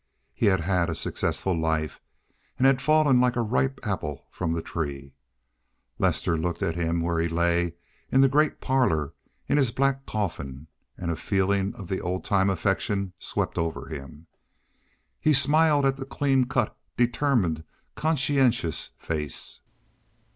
He had had a successful life, and had fallen like a ripe apple from the tree. Lester looked at him where he lay in the great parlor, in his black coffin, and a feeling of the old time affection swept over him. He smiled at the clean cut, determined, conscientious face.